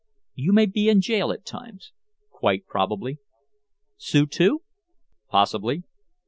"You may be in jail at times." "Quite probably." "Sue too?" "Possibly."